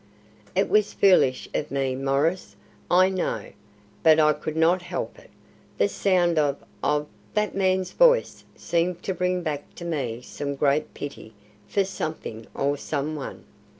"It was foolish of me, Maurice, I know, but I could not help it. The sound of of that man's voice seemed to bring back to me some great pity for something or someone.